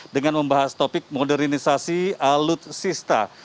dengan membahas topik modernisasi alutsista